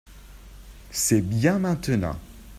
c'est bien maintenant.